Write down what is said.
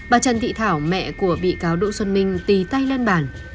bà trần thị thảo mẹ của bị cáo đỗ xuân minh tì tay lên bản